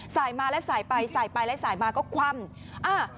สายมาและสายไปสายไปแล้วสายมาก็คว่ำอ่า